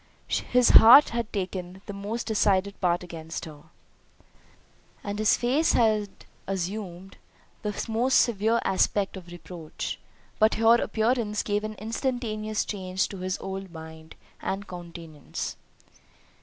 His heart had taken the most decided part against her, and his face had assumed the most severe aspect of reproach; but her appearance gave an instantaneous change to his whole mind, and countenance.